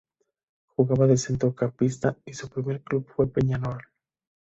Jugaba de centrocampista y su primer club fue Peñarol.